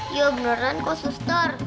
iya beneran kok susar